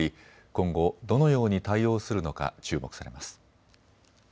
今後、どのように対応するのか注目されます。